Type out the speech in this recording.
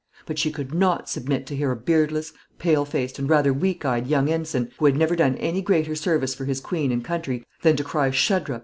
But she could not submit to hear a beardless, pale faced, and rather weak eyed young ensign who had never done any greater service for his Queen and country than to cry "SHUDDRUPH!"